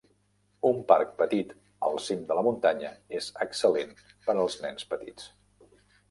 Un parc petit al cim de la muntanya és excel·lent per als nens petits.